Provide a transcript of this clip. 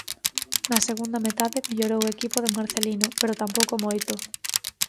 Na segunda metade mellorou o equipo de Marcelino, pero tampouco moito.